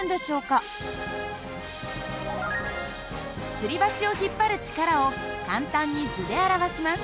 つり橋を引っ張る力を簡単に図で表します。